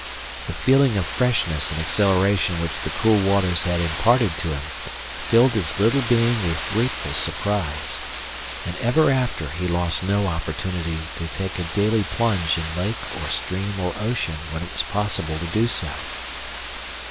The feeling of freshness and exhilaration which the cool waters had imparted to him, filled his little being with grateful surprise, and ever after he lost no opportunity to take a daily plunge in lake or stream or ocean when it was possible to do so.